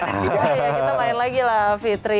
oh ya kita main lagi lah fitri